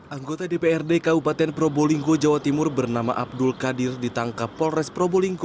anggota dprd kabupaten probolinggo jawa timur bernama abdul qadir ditangkap polres probolinggo